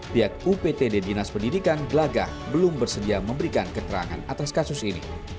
pihak uptd dinas pendidikan gelagah belum bersedia memberikan keterangan atas kasus ini